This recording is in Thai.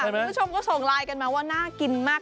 คุณผู้ชมก็ส่งไลน์กันมาว่าน่ากินมาก